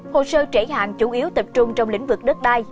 hồ sơ trễ hạn chủ yếu tập trung trong lĩnh vực đất đai